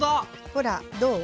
ほらどう？